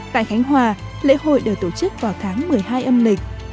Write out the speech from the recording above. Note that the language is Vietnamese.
tại khánh hòa lễ hội được tổ chức vào tháng một mươi hai âm lịch